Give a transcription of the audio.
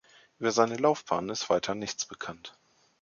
Über seine Laufbahn ist weiter nichts bekannt.